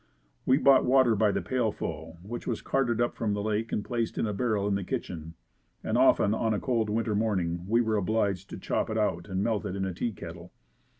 We bought water by the pailful which was carted up from the Lake and placed in a barrel in the kitchen and often on a cold winter morning, we were obliged to chop it out and melt it in the tea kettle.